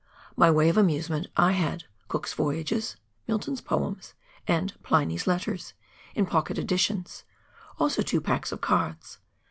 By way of amusement I had " Cook's Voyages," "Milton's Poems," and "Pliny's Letters" in pocket editions, also two packs of cards.